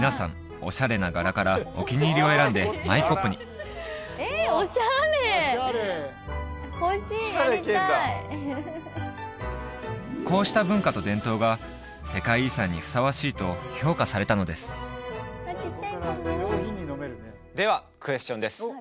オシャレな柄からお気に入りを選んでマイコップにこうした文化と伝統が世界遺産にふさわしいと評価されたのですではクエスチョンです